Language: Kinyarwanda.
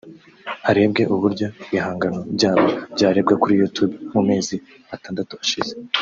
harebwe uburyo ibihangano byabo byarebwe kuri YouTube mu mezi atandatu ashize